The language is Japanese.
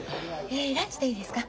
ランチでいいですか？